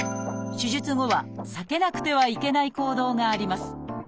手術後は避けなくてはいけない行動があります。